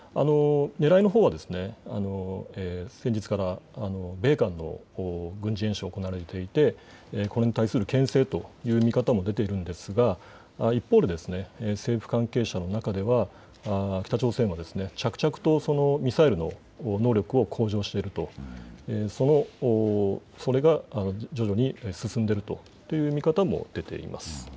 ねらいのほうは先日から米韓の軍事演習が行われていてこれに対するけん制という見方も出ているんですが一方で政府関係者の中では、北朝鮮が着々とミサイルの能力を向上していると、それが徐々に進んでいるという見方も出ています。